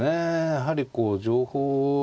やはりこう情報をね